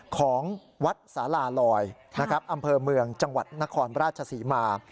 ของวัดสาลาลอยนะครับอำเภอเมืองจังหวัดนครราชศรีมา